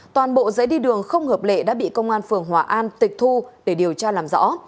toàn bộ giấy đi đường không hợp lệ đã bị công an phường hòa an tịch thu để điều tra làm rõ